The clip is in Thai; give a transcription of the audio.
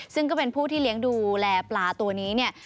ซึ่งก็เป็นผู้ที่เลี้ยงดูแลปลาตัวนี้เนี่ย